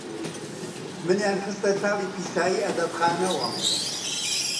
منیان خستە چاڵی پیسایی ئەدەبخانەوە،